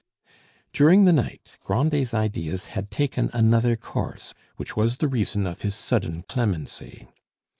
During the night Grandet's ideas had taken another course, which was the reason of his sudden clemency.